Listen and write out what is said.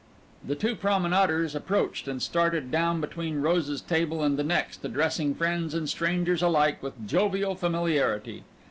The two promenaders approached and started down between Rose's table and the next, addressing friends and strangers alike with jovial familiarity.